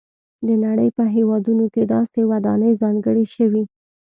د نړۍ په هېوادونو کې داسې ودانۍ ځانګړې شوي.